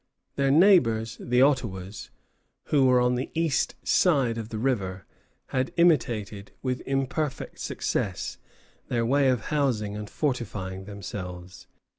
Their neighbors, the Ottawas, who were on the east side of the river, had imitated, with imperfect success, their way of housing and fortifying themselves.